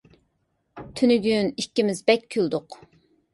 تۈنۈگۈن ئىككىمىز بەك كۈلدۇق.